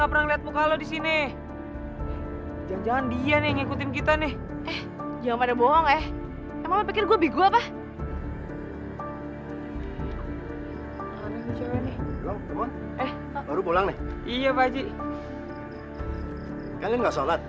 orang orang sama balik dulu ya